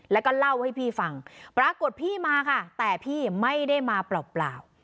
แล้วก็เล่าให้พี่ฟังปรากฏพี่มาค่ะแต่พี่ไม่ได้มาเปล่า